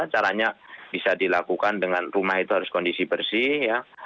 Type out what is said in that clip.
caranya bisa dilakukan dengan rumah itu harus kondisi bersih ya